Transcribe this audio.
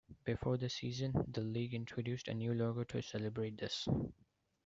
Before the season the league introduced a new logo to celebrate this.